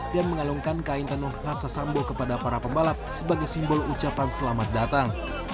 dan mengalungkan kain tenuh rasa sambo kepada para pembalap sebagai simbol ucapan selamat datang